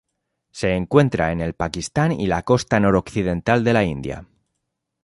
Se encuentra en el Pakistán y la costa noroccidental de la India.